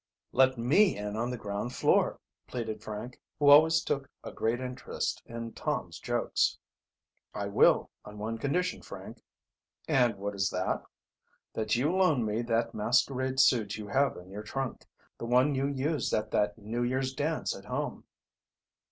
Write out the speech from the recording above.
"Let me in on the ground floor," pleaded Frank, who always wok a great interest in Tom's jokes. "I will, on one condition, Frank." "And what is that?" "That you loan me that masquerade suit you have in your trunk. The one you used at that New Year's dance at home."